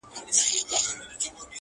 شپه په خندا ده- سهار حیران دی-